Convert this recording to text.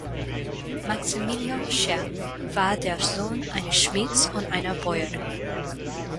Maximilian Scheer war der Sohn eines Schmieds und einer Bäuerin.